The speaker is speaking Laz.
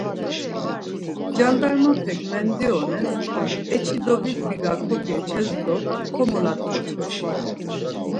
Candarmapek mendiones eçidovit biga kogeçes do komolat̆ǩoçes.